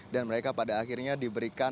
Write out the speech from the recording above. dan mereka pada akhirnya diberikan rumah kontrakan